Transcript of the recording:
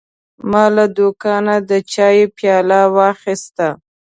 ما له دوکانه د چای پیاله واخیسته.